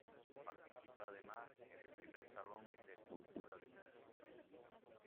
Participa además en el Primer Salón de Escultura de Murcia.